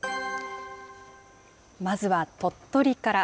まずは鳥取から。